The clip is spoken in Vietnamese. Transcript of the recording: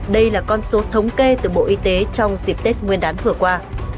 đây là con số thống kê từ bộ y tế trong dịp tết nguyên đán vừa qua